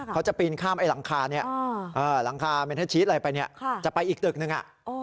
เขาจะปีนข้ามหลังคาเมนเทอร์ชีสจะไปอีกตึกหนึ่ง